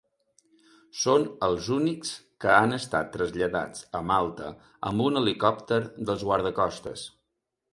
Són els únics que han estat traslladats a Malta amb un helicòpter dels guardacostes.